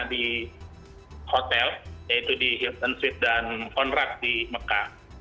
di hotel yaitu di hilton sweet dan honrug di mekah